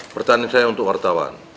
pertanyaan saya untuk wartawan